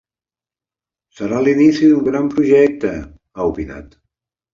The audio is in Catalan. “Serà l’inici d’un gran projecte”, ha opinat.